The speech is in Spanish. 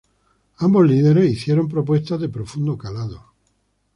Ambos líderes hicieron propuestas de profundo calado.